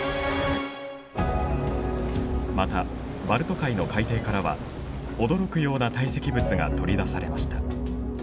またバルト海の海底からは驚くような堆積物が取り出されました。